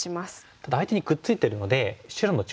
ただ相手にくっついてるので白の力働いてますよね。